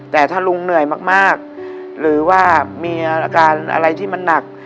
แต่ถ้าลุงเหนื่อยมากหรือว่ามีอาการอะไรที่มันหนัก